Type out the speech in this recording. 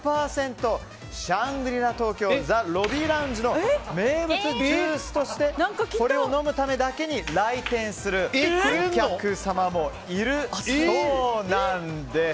シャングリ・ラ東京ザ・ロビーラウンジの名物ジュースとしてこれを飲むためだけに来店するお客様もいるそうなんです。